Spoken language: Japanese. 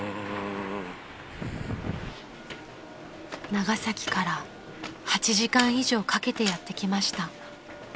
［長崎から８時間以上かけてやって来ました］